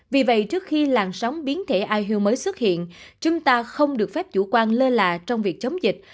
vì vậy trước khi làn sóng biến thể iuu mới xuất hiện chúng ta không được phép chủ quan lơ là trong việc chống dịch